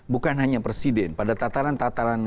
bukan hanya presiden pada tataran tataran